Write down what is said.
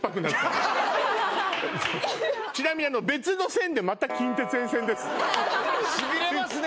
ちなみに別の線でまたしびれますね